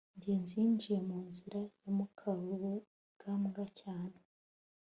ngenzi yinjiye mu nzira ya mukarugambwa cyane